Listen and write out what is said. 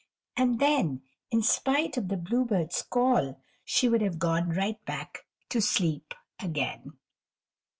And then, in spite of the bluebirds' call, she would have gone right back to sleep again.